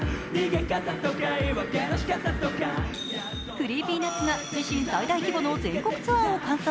ＣｒｅｅｐｙＮｕｔｓが自身最大規模の全国ツアーを完走。